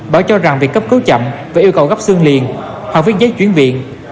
bảo cho rằng việc cấp cứu chậm và yêu cầu gấp xương liền họ viết giấy chuyển viện